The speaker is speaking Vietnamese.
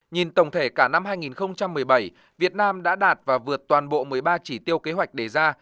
nhìn tổng thể cả năm hai nghìn một mươi bảy việt nam đã đạt và vượt toàn bộ một mươi ba chỉ tiêu kế hoạch đề ra